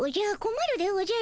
まるでおじゃる。